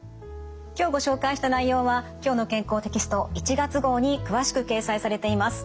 今日ご紹介した内容は「きょうの健康」テキスト１月号に詳しく掲載されています。